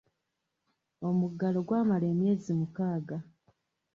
Omuggalo gwamala emyezi mukaaga.